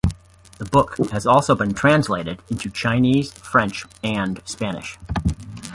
The book has also been translated into Chinese, French and Spanish.